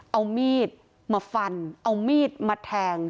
เอามีดมาฟันเอามีดมาแทง